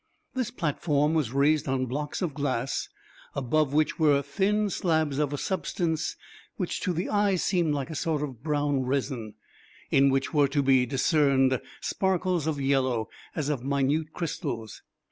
This platform was raised on blocks of glass, above which were thin slabs of a substance which to the eye seemed like a sort of brown resin, in which were to be discerned sparkles of yellow, as of minute crystals.